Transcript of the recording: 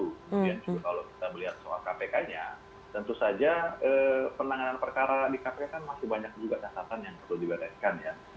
kemudian juga kalau kita melihat soal kpk nya tentu saja penanganan perkara di kpk kan masih banyak juga catatan yang perlu dibereskan ya